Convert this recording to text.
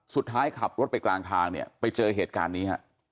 สุดท้ายขับรถไปกลางทางเนี่ยไปเจอเหตุการณ์นี้ฮะ